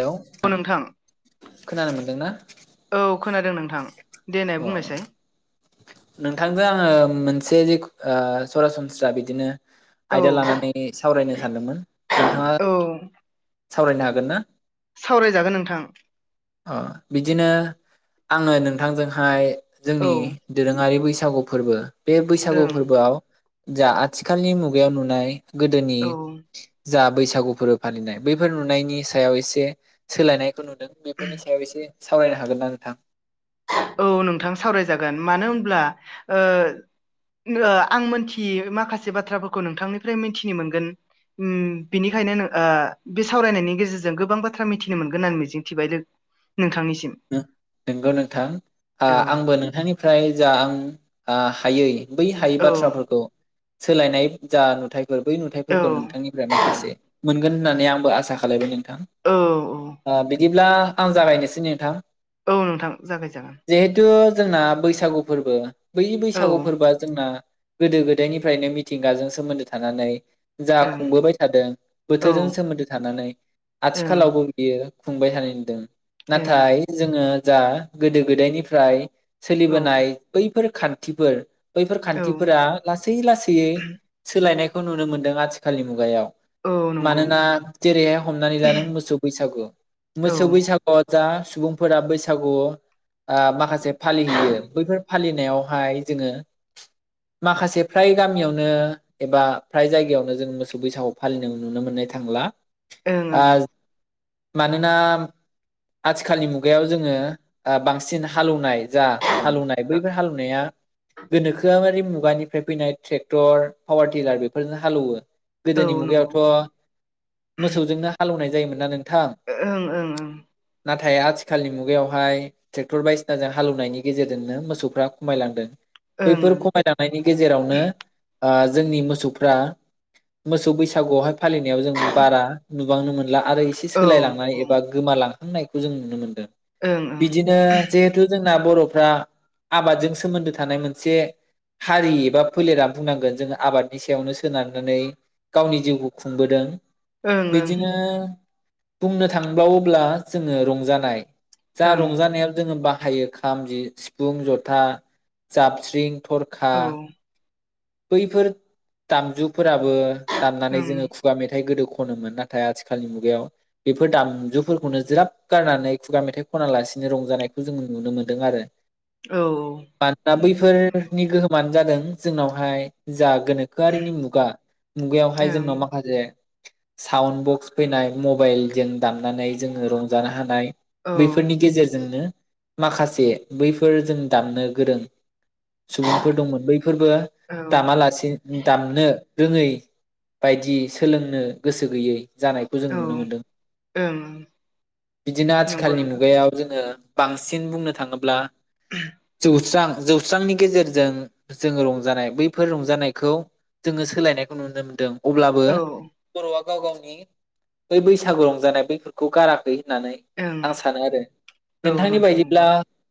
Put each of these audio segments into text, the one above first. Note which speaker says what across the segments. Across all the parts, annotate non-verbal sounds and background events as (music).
Speaker 1: Hello
Speaker 2: औ
Speaker 1: थां
Speaker 2: नोंथां
Speaker 1: खोनानो मोन्दों ना?
Speaker 2: औ खोनादों नोंथां। देनाय
Speaker 1: अ
Speaker 2: बुंनायसाय
Speaker 1: नोंथांजों आङो मोनसे जे ओ सरासनस्रा बिदिनो
Speaker 2: औ
Speaker 1: आयदा लानानै सावरायनो सानदोंमोन नोंथाङा
Speaker 2: औ
Speaker 1: सावरायनो हागोन ना?
Speaker 2: सावरायजागोन नोंथां।
Speaker 1: अ बिदिनो आङो नोंथांजोंहाय
Speaker 2: औ
Speaker 1: जोंनि दोरोङारि बैसागु फोरबो बे बैसागु
Speaker 2: ओं
Speaker 1: फोरबोआव जा आथिखालनि मुगायाव नुनाय गोदोनि
Speaker 2: औ
Speaker 1: जा बैसागु फोरबो फालिनाय बैफोर नुनायनि सायाव एसे सोलायनायखौ नु दों बेफोरनि सायाव एसे सावरायनो हागोन ना नोंथां?
Speaker 2: औ नोंथां सावरायजागोन। मानो होनब्ला ओ ओ आं मोनथियै माखासे बाथ्राफोरखौ नोंथांनिफ्राय मिथिनो मोनगोन। उम बिनिखायनो आ बे सावरायनायनि गेजेरजों गोबां बाथ्रा मिथिनो मोनगोन होननानै मिजिंथिबाय लो नोंथांनिसिम।
Speaker 1: नंगौ नोंथां आ
Speaker 2: औ
Speaker 1: आंबो नोंथांनिफ्राय जा आं आ हायै बै हायै
Speaker 2: औ
Speaker 1: बाथ्राफोरखौ सोलायनाय जा नुथाय बो बै
Speaker 2: औ
Speaker 1: नुथायफोरखौ नोंथांनिफ्राय माखासे मोनगोन होननानै आंबो आसा खालायबाय नों थां।
Speaker 2: औ
Speaker 1: ओ बिदिब्ला आं जागायनोसै नोंथां।
Speaker 2: औ नोंथां जागायजागोन।
Speaker 1: जिहेथु जोंना बैसागु फोरबो बै
Speaker 2: औ
Speaker 1: बैसागु
Speaker 2: ओं
Speaker 1: फोरबोआ जोंना गोदो गोदायनिफ्रायनो मिथिंगाजों सोमोन्दो थानानै जा
Speaker 2: औ
Speaker 1: खुंबोबाय थादों बोथोरजों
Speaker 2: ओं
Speaker 1: सोमोन्दो थानानै आथिखालावबो बियो खुंबाय थानाय नुदों।
Speaker 2: ओं
Speaker 1: नाथाय जोङो जा गोदो गोदायनिफ्राय
Speaker 2: औ
Speaker 1: सोलिबोनाय बैफोर खान्थिफोर बैफोर
Speaker 2: औ
Speaker 1: खान्थिफोरा लासै लासैयै सोलायनायखौ नुनो मोन्दों आथिखालनि मुगायाव।
Speaker 2: औ नंगौ
Speaker 1: मानोना जेरैहाय हमनानै लानो मोसौ बैसागु।
Speaker 2: औ
Speaker 1: मोसौ बैसा जा सुबुंफोरा बैसागु ओ माखासे फालिहैयो बैफोर फालिनायावहाय जोङो माखासे फ्राय गामियावनो एबा फ्राय जायगायावनो जों मोसौ बैसागु फालिनाय नुनो मोननाय थांला।
Speaker 2: ओं
Speaker 1: आ मानोना आथिखालनि मुगायाव जोङो ओ बांसिन हालौनाय जा हालौनाय, बैफोर हालौनाया गोनोखोआरि मुगानिफ्राय फैनाय ट्रेक्टर पावार टिलार बेफोरजों हालेवो।
Speaker 2: औ
Speaker 1: गोदोनि
Speaker 2: नंगौ
Speaker 1: मुगायावथ मोसौजोंनो हालौनाय जायोमोनना नोंथां।
Speaker 2: ओं ओं ओं।
Speaker 1: नाथाय आथिखालनि मुगायावहाय ट्रेक्टर बायसिनाजों हालौवनायनि गेजेरजोंनो मोसौफ्रा खमायलांदों। बैफोर
Speaker 2: ओं
Speaker 1: खमायलां लांनायनि गेजावनो आ जोंनि मोसौफ्रा मोसौ बैसागुआवहाय फालिनायाव जों बारा नुबांनो मोनला आरो एसे
Speaker 2: ओं
Speaker 1: सोलायलांनाय एबा गोमालां नायखौ जों नुनो मोनदों
Speaker 2: ओं ओं
Speaker 1: बिदिनो जिहेथु जोंना बरफ्रा आबादजों सोमोन्दो थानाय मोनसे हारि एबा फोलेरा बुंनांगोन जोङो आबादनि सायावनो सोनारनानै गावनि जिउखौ खुंबोदों
Speaker 2: औ
Speaker 1: बिदिनो बुंनो थांबावोब्ला जोङो रंजानाय जा
Speaker 2: ओं
Speaker 1: रंजानायाव जोङो बाहायो खाम जि सिफुं जथा जाबस्रिं थरखा
Speaker 2: ओं
Speaker 1: बैफोर दामजुफोराबो दामनानै जोङो खु खुगा मेथाइ गोदो खनोमोन। नाथाय आथिखालनि मुगायाव बेफोर दामजुफोरखौनो ज्राब गारनानै खुगा मेथाइ खना लासिनो रंजानायखौ जोंङो नुनो मोन्दों आरो। (inaudible)
Speaker 2: औ औ।
Speaker 1: मानोना बैफोरनि गोहोमानो जादों जोंनावहाय जा गोनोखोआरिनि मुगा मुगायावहाय जोंनाव माखासे साउन्ड बक्स फैनाय मबाइलजों दामनानै जोङो रंजानो हानाय बैफोरनि गेजेरजोंनो माखासे बैफोर जों दामनो गोरों सुबुंफोर दंमोन बैफोरबो
Speaker 2: ओं औ ओं
Speaker 1: दामालासे दामनो रोङै बायदि सोलोंनो गोसो गैयै। जानायखौ जों
Speaker 2: औ
Speaker 1: नुनो मोनदों
Speaker 2: ओं
Speaker 1: बिदिनो
Speaker 2: नंगौ
Speaker 1: आथिखालनि
Speaker 2: नोंथां
Speaker 1: मुगायाव। जोङो बांसिन बुंनो थाङोब्ला जौस्रां जौस्रांनि गेजेरजों जोङो रंजानाय बै बेफोर रंजानायखौ जोङो सोलायनायखौ नुनो मोनदों। अब्लाबो
Speaker 2: औ ओं
Speaker 1: बर'आ गाव गावनि बै बैसागु रंजानाय बैफोरखौ गाराखै होननानै आं सानो आरो।
Speaker 2: औ
Speaker 1: नोंथांनि
Speaker 2: नोंथां नंगौ
Speaker 1: बायदिब्ला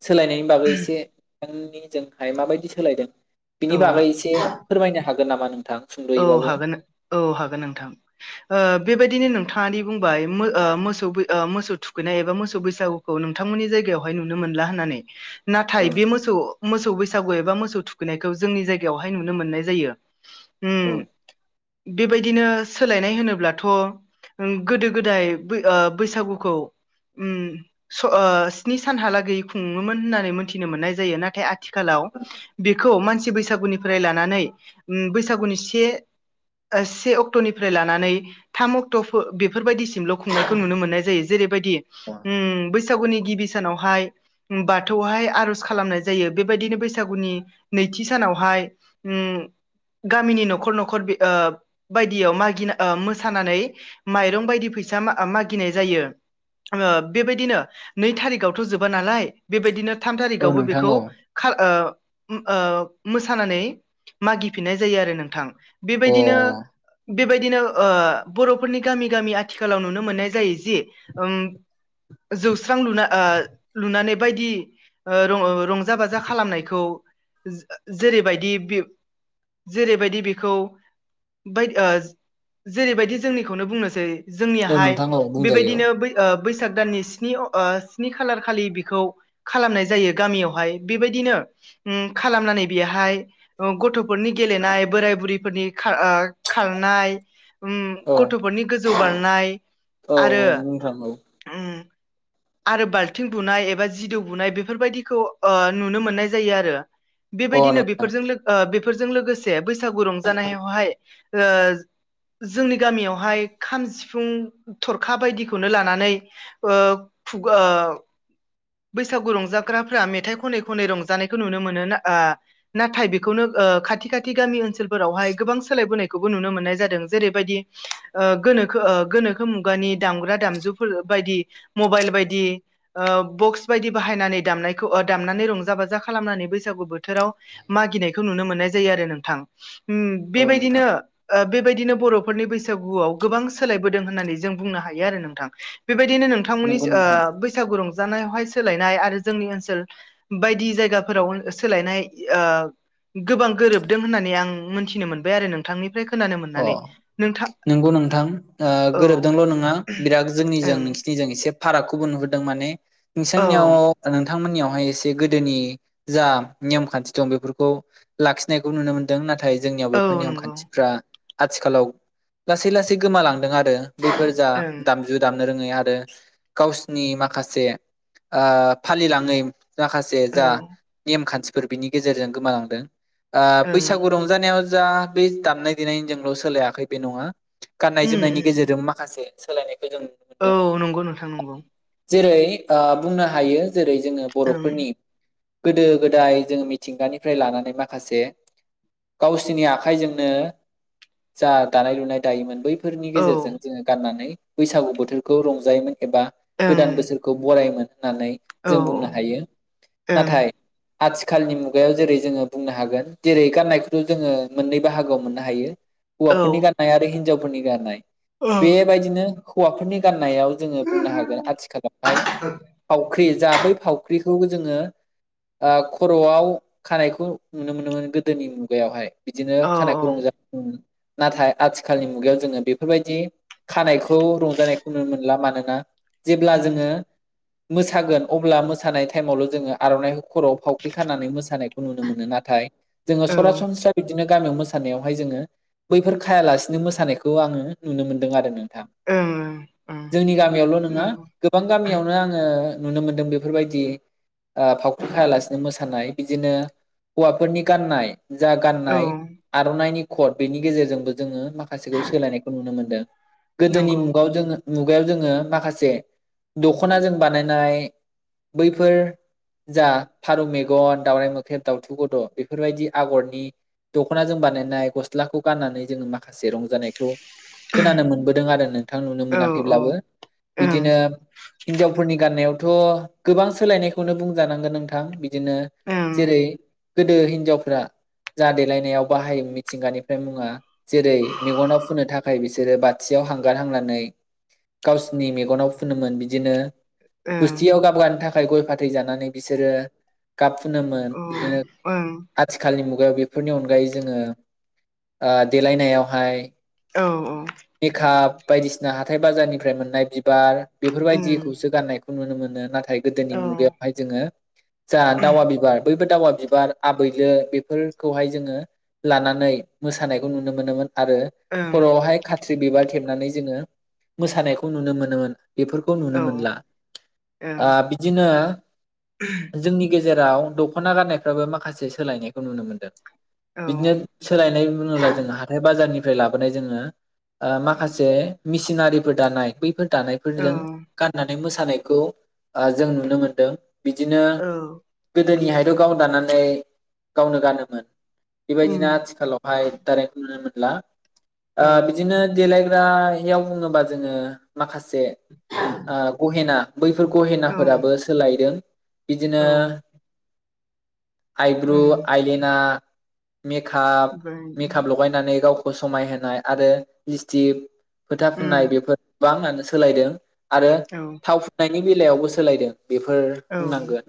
Speaker 1: सोलायनायनि बागै एसे बिथांनि जोंहाय माबायदि सोलायदों बिनि
Speaker 2: औ
Speaker 1: बागै एसे एसे फोरमायनो हागोन नामा नोंथां?
Speaker 2: औ
Speaker 1: सुंद'यैबाबो
Speaker 2: हागोन औ हागोन नोंथां। बेबायदिनो नोंथाङादि बुंबाय मोसौ मोसौ थुखैनाय एबा मोसौ बैसागु नोंथांमोननि जायगायावहाय नुनो मोनला होननानै नाथाय बे मोसौ मोसौ बैसागु एबा मोसौ थुखैनायखौ जोंनि जायगायावहाय नुनो मोननाय जायो।
Speaker 1: औ
Speaker 2: बेबायदिनो सोलायनाय होनोब्लाथ' गोदो गोदाय बैसागुखौ स्नि सानहालागै खुङोमोन होननानै मोनथिनो मोननाय जायो। नाथाय आथिखालाव बेखौ मानसि बैसागुनिफ्राय लानानै बैसागुनि से से अक्ट'निफ्राय लानानै थाम अक्ट' बेफोरबायदिसिमल' खुंनायखौ नुनो मोननाय जायो। जेरैबायदि बैसागुनि गिबि सानावहाय बाथौहाय आर'ज खालामनाय जायो। बेबायदिनो बैसागुनि नैथि सानावहाय उम गामिनि न'खर न'खर बायदियाव मागिना मोसानानै माइरं बायदि फैसा मागिनाय जायो। बेबायदिनो नै थारिखावथ' जोबा नालाय बेबायदिनो थाम
Speaker 1: औ
Speaker 2: थारिखावबो
Speaker 1: नोंथां
Speaker 2: बेखौ
Speaker 1: औ
Speaker 2: मोसानानै मागिफिननाय जायो आरो नोंथां।
Speaker 1: अ
Speaker 2: बेबायदिनो बेबायदिनो ओ बर'फोरनि गामि गामि आथिखालाव नुनो मोननाय जायो जि जौस्रां लुना लुनानै बायदि रंजा रंजा बाजा खालामनायखौ जेरैबायदि जेरैबायदि बेखौ जेरैबायदि जोंनिखौनो बुंनोसै
Speaker 1: औ
Speaker 2: जोंनिाहाय
Speaker 1: नोंथां औ बुंजायो
Speaker 2: बेबायदिनो ओ बैसाग दाननि स्नि अ ओ स्नि खालार खालि बेखौ खालामनाय जायो गामियावहाय बेबायदिनो उम खालामनानै बेहाय गथ' गथ'फोरनि गेलेनाय बोराय बुरैफोरनि खार ओ खारनाय।
Speaker 1: औ
Speaker 2: गथ'फोरनि गोजौ बारनाय।
Speaker 1: औ
Speaker 2: आरो
Speaker 1: औ नोंथां औ।
Speaker 2: उम आरो बाल्थिं बुनाय एबा जिदौ बुनाय बेफोरबायदिखौ ओ नुनो मोननाय जायो आरो।
Speaker 1: अ
Speaker 2: बेबायदिनो
Speaker 1: नोंथां
Speaker 2: बेफोरजों लो ओ बेफोरजों लोगोसे बैसागु रंजानायावहाय जोंनि गामियावहाय खाम सिफुं थरखा बायदिखौनो लानानै (inaudible) बैसागु रंजाग्राफ्रा मेथाइ खनै खनै रंजानायखौ नुनो मोनो। नाथाय बेखौनो खाथि खाथि गामि ओनसोलफोरावहाय गोबां सोलायबोनायखौबो नुनो मोननाय जादों जेरैबायदि गोनोखो गोनोखो मुगानि दामग्रा दामजुफोर बायदि मबाइल बायदि बक्स बायदि बाहायनानै दामनायखौ दामनानै रंजा बाजा खालामनानै बैसागु बोथोराव मागिनायखौ नुनो मोननाय जायो आरो नोंथां। उम
Speaker 1: औ
Speaker 2: बेबायदिनो।
Speaker 1: नोंथां
Speaker 2: ओ बेबायदिनो बर'फोरनि बैसागुआव गोबां सोलायबोदों होननानै जों बुंनो हायो आरो नोंथां। बेबायदिनो
Speaker 1: नंगौ
Speaker 2: नोंथांमोननिसो ओ
Speaker 1: नोंथां
Speaker 2: बैसागु रंजानायावहाय सोलायनाय आरो जोंनि ओनसोल बायदि जायगाफोराव सोलायनाय। ओ गोबां गोरोबदों होननानै आं मोनथिनो मोनबाय आरो नोंथांनिफ्राय खोनानो
Speaker 1: अ
Speaker 2: मोननानै नोंथां
Speaker 1: नंगौ नोंथां ओ
Speaker 2: औ
Speaker 1: गोरोबदोंल' नङा बिराद जोंनिजों
Speaker 2: ओं
Speaker 1: न जों एसे फारागखौबो नुहुदों माने
Speaker 2: औ
Speaker 1: नोंसोरनियाव नोंथांमोननियावहाय एसे गोदोनि जा नेम खान्थि दं बेफोरखौ लाखिनाय खौ नुनो मोन्दों नाथाय जोंनियाव बेफोर
Speaker 2: औ
Speaker 1: नेयम
Speaker 2: नंगौ
Speaker 1: खान्थिफ्रा। आथिखालाव लासै लासै गोमालांदों आरो बैफोर जा
Speaker 2: ओं
Speaker 1: दाम जु दामनो रोङै आरो गावसिनि माखासे ओ फालिलाङै। माखासे
Speaker 2: औ
Speaker 1: जा नेम खान्थिफोर बिनि गेजेरजों गोमालांदों आ
Speaker 2: ओं
Speaker 1: बैसागु रं जानायाव जा बे दामनाय देनायनिजोंल' सोलायाखै बे नङा। गाननाय
Speaker 2: उम
Speaker 1: जोमनायनि गेजेरजों माखासे सोलायनायखौ जों
Speaker 2: औ
Speaker 1: मोनदों
Speaker 2: नंगौ नोंथां नंगौ।
Speaker 1: जेरै ओ बुंनो हायो जेरै जोङो
Speaker 2: ओं
Speaker 1: बर'फोरनि गोदो गोदाय जों मिथिंगानिफ्राय लानानै माखासे गावसिनि आखाइजोंनो जा दानाय लुनाय दायोमोन बैफोरनि
Speaker 2: औ
Speaker 1: गेजेरजों जोङो गाननानै बैसागु बोथोरखौ रंजायोमोन। एबा गोदान
Speaker 2: ओं
Speaker 1: बोसोरखौ बरायोमोन होननानै
Speaker 2: औ
Speaker 1: जों बुंनो हायो
Speaker 2: ओं
Speaker 1: नाथाय आथिखालनि मुगायाव जेरै जोङो बुंनो हागोन जेरै गाननायखौथ' जोङो मोननै बाहागोआव मोननो हायो।
Speaker 2: औ
Speaker 1: होवाफोरनि गाननाय आरो हिजावफोरनि गाननाय।
Speaker 2: (unintelligible)
Speaker 1: बेबायदिनो हौवाफोरनि गान्नायाव जोङो बुंनो हागोन आथिखालावहाय फावख्रि जा बै फावख्रिखौ जोङो। ओ खर'आव खानायखौ नुनो मोनोमोन गोदोनि मुगायावहाय। बिदिनो
Speaker 2: औ
Speaker 1: खानायखौ रंजा नाथाय आथिखालनि मुगायाव जोङो बेफोरबायदि खानायखौ रंजानायखौ नुनो मोनला मानोना जेब्ला
Speaker 2: उम
Speaker 1: जोङो मोसागोन अब्ला मोसानाय टाइमावल' जोङो आर'नाइ खर'आव फावख्रि खानानै मोसानायखौ नुनो मोनो नाथाय जोङो
Speaker 2: औ ओं
Speaker 1: सरासनस्रा बि बिदिनो गामियाव मोसानायावहाय जोङो बैफोर खायालासेनो मोसानायखौ आङो नुनो मोनदों आरो नोंथां।
Speaker 2: उम।
Speaker 1: जोंनि गामियावल' नङा गोबां गामियावनो आङो नुनो मोनदों बेफोरबायदि ओ फावख्रि खायालासिनो मोसानाय बिदिनो हौवाफोरनि गाननाय। जा गाननाय
Speaker 2: औ
Speaker 1: आर'नाइनि। कट बेनि गेजेरजोंबो जोङो माखासेखौ सोलायनायखौ नुनो मोनदों। गोदोनि
Speaker 2: नंगौ
Speaker 1: मुगाव जोङो मुगायाव जोङो माखासे दख'नाजों बानायनाय बैफोर जा फारौ मेगन दावराइ मोख्रेब दावथु गद' बेफोरबायदि आगरनि दख'ना जों बानायनाय गस्लाखौ गाननानै जोङो माखासे रंजानायखौ खोनानो मोनबोदों आरो नोंथां नुनो
Speaker 2: औ औ
Speaker 1: मोनाखैब्लाबो।
Speaker 2: ओं
Speaker 1: बिदिनो हिनजावफोरनि गाननायावथ' गोबां सोलायनायखौनो बुंजानांगोन नोंथां बिदिनो
Speaker 2: ओं
Speaker 1: जेरै गोदो हिनजावफ्रा जा देलायनायाव बाहाय मिथिंगानिफ्राय मुङा जेरै मेगनाव फुननो थाखाय बिसोरो बाथियाव हांगारहांनानै गावसिनि मेगनाव फुनोमोन बिदिनो
Speaker 2: ओं
Speaker 1: गुस्थियाव गाबगानो थाखाय गय फाथै जानानै बिसोरो गाब फुनोमोन बिदिनो
Speaker 2: औ ओं
Speaker 1: आथिखालनि मुगायाव बेफोरनि अनगायै जोङो। देलायनायावहाय
Speaker 2: औ औ
Speaker 1: मेकआप बायदिसिना हाथाय बाजारनिफ्राय मोननाय बिबार
Speaker 2: उम
Speaker 1: बेफोरबायदिखौसो गाननायखौ खौ नुनो मोनो नाथाय गोदोनि
Speaker 2: औ
Speaker 1: मुगायावहाय जोङो जा दावा बिबार बैबो दावा बिबार आबैलो बेफोरखौहाय जोङो लानानै मोानायखौ नुनो मोनोमोन आरो
Speaker 2: ओं
Speaker 1: खर'आवहाय खाथ्रि बिबार थेबनानै जोङो मोसानायखौ नुनो मोनोमोन बेफोरखौ खौ
Speaker 2: औ
Speaker 1: नुनो मोनला ओ
Speaker 2: ओं
Speaker 1: बिदिनो जोंनि गेजेराव दख'ना गाननायफ्राबो माखासे सोलायनायखौ नुनो मोनदों बिदिनो
Speaker 2: औ
Speaker 1: सोलायनाय बुङोब्ला जोङो हाथाय बाजारनिफ्राय लाबोनाय जोङो माखासे मिसिनारिफोर दानाय बैफोर दानाय
Speaker 2: औ
Speaker 1: बेफोरजों गाननानै मोसानायखौ जों नुनो मोनदों बिदिनो
Speaker 2: औ
Speaker 1: गोदोनिहायथ' गाव दानानै गावनो गानोमोन
Speaker 2: उम
Speaker 1: बेबायदिना आथिखालावहाय दारेक्ट नुनो मोनला ओ
Speaker 2: औ
Speaker 1: बिदिनो देलायग्रायाव बुङोबा जोङो माखासे गहेना बैफोर
Speaker 2: ओं
Speaker 1: गहेनाफोराबो सोलायदों बिदिनो
Speaker 2: औ उम
Speaker 1: आइब्रु आइलिना
Speaker 2: ओमफ्राय
Speaker 1: मेकप लगायनानै गावखौ समायहोनाय आरो लिसथिख खोथा फुननाय
Speaker 2: उम
Speaker 1: बेफोर गोबाङानो सोलायदों आरो
Speaker 2: औ
Speaker 1: थाव फुननायनि बेलायावबो सोलायदों बेफोर
Speaker 2: औ ओं
Speaker 1: बुंनांगोन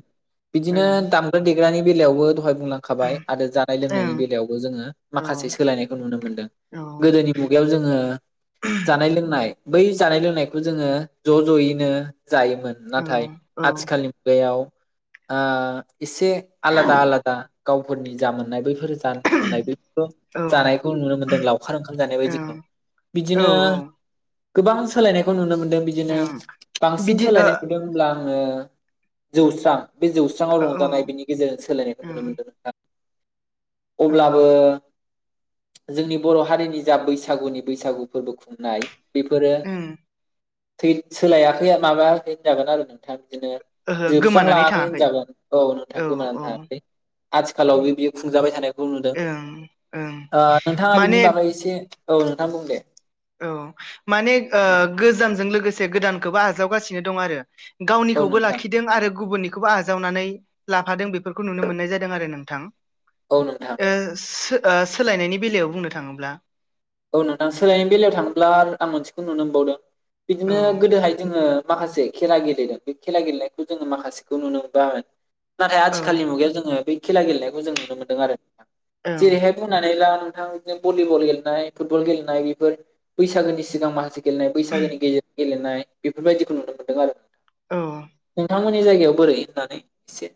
Speaker 1: बिदिनो
Speaker 2: ओं
Speaker 1: दाम दामग्रा देग्रानि बेलायावबो दहाय बुंलांखाबाय आरो जानाय लोंनायनि बेलायावबो जोङो
Speaker 2: औ
Speaker 1: माखासे सोलायनायखौ नुनो मोनदों गोदोनि मुगायाव जोङो जानाय लोंनाय बै जानाय लोंनायखौ जोङो ज' ज'यैनो जायोमोन नाथाय
Speaker 2: औ
Speaker 1: आथिखालनि मुगायाव एसे आलादा आलादा गावफोरनि जा मोननाय बैफोर जा मोननाय बे जानायखौ नुनो मोनदों अखार ओंखाम जानाय बायदिखौ
Speaker 2: ओं औ
Speaker 1: बिदिनो
Speaker 2: औ
Speaker 1: गोबां सोलायनायखौ नुनो मोनदों बिदिनो
Speaker 2: ओं
Speaker 1: बांसिन
Speaker 2: बिदि ओ
Speaker 1: सोलायनाय नुदों होनब्ला आङो जौस्रां बे जौस्रां
Speaker 2: औ ओं
Speaker 1: रंजानाय बिनि गेजेरजों सोलायनायखौ
Speaker 2: औ
Speaker 1: नुनो मोन्दों नोंथां अब्लाबो
Speaker 2: ओं
Speaker 1: जोंनि बर' हारिनि जा बैसागुनि बैसागु फोरबो खुंनाय बेफोरो थै सोलायाखै माबायाखै होनजागोन आरो नोंथाङा बिदिनो
Speaker 2: ओहो गोमानानै
Speaker 1: जोबस्रांलाङाखै
Speaker 2: थाङाखै
Speaker 1: होनजागोन औ नोंथां गोमोनानानै थाङाखै
Speaker 2: औ
Speaker 1: आथिखालावबो बियो खुंजाबाय थानायखौ
Speaker 2: ओं ओं
Speaker 1: नोंथाङा
Speaker 2: माने
Speaker 1: बिनि बागै एसे औ नोंथाङा बुं दे
Speaker 2: औ माने गोजामजों लोगोसे गोदानखौबो आजावगासिनो दं आरो
Speaker 1: औ
Speaker 2: गावनिखौबो
Speaker 1: नोंथां
Speaker 2: लाखिदों आरो गुबुननि बेखौबो आजावनानै लाफादों बेफोरखौ नुनो मोननाय जादों आरो नोंथां
Speaker 1: औ नोंथां
Speaker 2: सोलायनायनि बेलायाव बुंनो थाङोब्ला
Speaker 1: औ नोंथां सोलायनायनि बेलायाव थांङोब्ला आं मोनसेखौ नुनो मोनबावदों
Speaker 2: औ
Speaker 1: बिदिनो गोदोहाय जोङो माखासे खेला गेलेदों बे खेला गेलेनायखौ जोङो माखासेखौ नुनो मोनबा नाथाय
Speaker 2: औ
Speaker 1: आथिखालनि मुगायाव जोङो बे खेला गेलेनायखौ जों नुनो मोनदों आरो।
Speaker 2: ओं
Speaker 1: जेरैहाय बुंनानै ला नोंथां बिनो भलिबल गेलेनाय फुटबल गेलेनाय बेफोर बैसागोनि सिगां माखासे गेलेनाय बैसागोनि गेजेर गेलेनाय बेफोरबायदिखौ नुनो मोनदों आरो।
Speaker 2: औ
Speaker 1: नोंथांमोननि जायगायाव बोरै होननानै एसे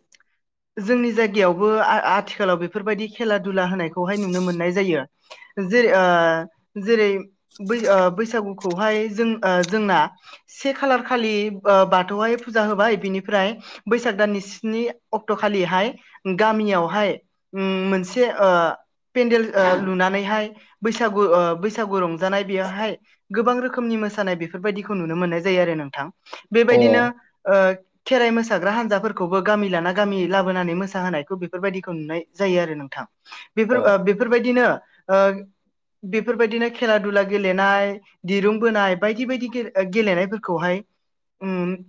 Speaker 2: जोंनि जायगायावबो आ- आथिखालाव बेफोरबायदि खेला दुला होनायखौहाय नुनो मोननाय जायो। जे ओ जेरै बै बैसागुखौहाय जों जोंना से खालार खालि बाथौआाय फुजा होबाय बिनिफ्राय बैसाग दाननि स्नि अक्ट' खालिहाय गामियावहाय ओम मोनसे ओ पेन्देल ओ लुनानैहाय बैसागु ओ बैसागु रं जानाय बेयावहाय गोबां रोखोमनि मोसानाय बेफोरबायदिखौ नुनो मोननाय जायो आरो नोंथां।
Speaker 1: अ
Speaker 2: बेबायदिनो ओ खेराइ मोसाग्रा हान्जाफोरखौबो गामि लाना गामि लाबोनानै मोसाहोनायखौ बेफोरबायदिखौ नुनाय जायो आरो नोंथां बेफोर ओ
Speaker 1: अ
Speaker 2: बैब बेफोरबायदिनो ओ बेफोरबायदिनो खेला दुला गेलेनाय। दिरुंबोनाय बायदि बायदि गेले- गेलेनायफोरखौहाय ओम